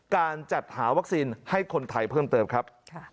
การจัดหาวัคซีนให้คนไทยเพิ่มเติมครับ